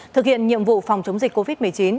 thực hiện nhiệm vụ phòng chống dịch covid một mươi chín